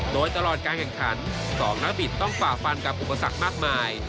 โดยตลอดการแข่งขัน๒นักบิดต้องฝ่าฟันกับอุปสรรคมากมาย